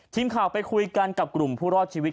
ทีมข่าวไปคุยกันกับกลุ่มผู้รอดชีวิต